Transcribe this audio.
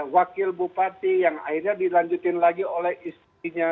wakil bupati yang akhirnya dilanjutin lagi oleh istrinya